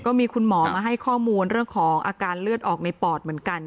ก็มีคุณหมอมาให้ข้อมูลเรื่องของอาการเลือดออกในปอดเหมือนกัน